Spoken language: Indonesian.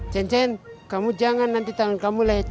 cen cen kamu jangan nanti tangan kamu lecet